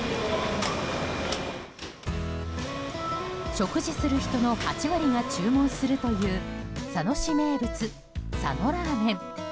食事する人の８割が注文するという佐野市名物、佐野らーめん。